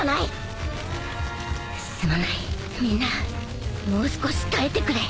すまないみんなもう少し耐えてくれ！